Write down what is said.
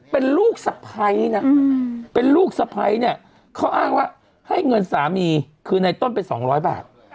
เป็นลูกศัพท์ไพเนี้ยเขาอ้างว่าให้เงินสามารีคือในต้นเป็นสองร้อยบาท